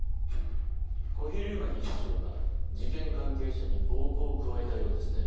小比類巻室長が事件関係者に暴行を加えたようですね。